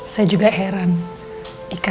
bekerja hampir hampir